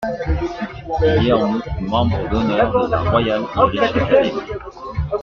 Il est en outre membre d'honneur de la Royal Irish Academy.